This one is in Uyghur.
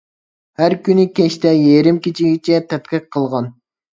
ھەر كۈنى كەچتە يېرىم كېچىگىچە تەتقىق قىلغان.